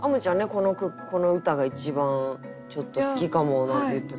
この句この歌が一番ちょっと好きかもなんて言ってたけど。